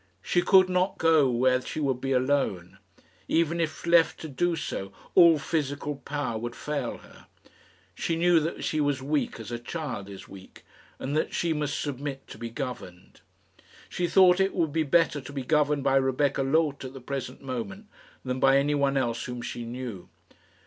She could not go where she would be alone. Even if left to do so, all physical power would fail her. She knew that she was weak as a child is weak, and that she must submit to be governed. She thought it would be better to be governed by Rebecca Loth at the present moment than by anyone else whom she knew.